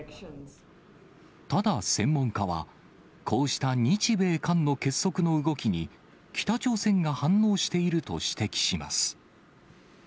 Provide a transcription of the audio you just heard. ただ専門家は、こうした日米韓の結束の動きに、北朝鮮が反応していると指摘します。